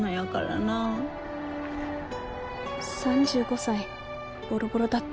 ３５歳ボロボロだった。